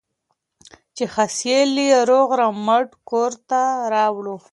چې حاصل یې روغ رمټ کور ته راوړ.